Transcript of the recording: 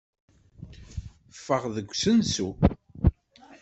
Ffɣeɣ-d seg usensu.